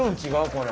これ。